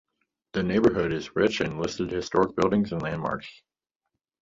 The neighbourhood is rich in listed historic buildings and landmarks.